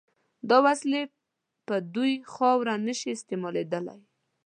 دا وسلې په دوی خاوره نشي استعمالېدای.